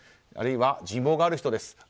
あるいは、人望がある人です。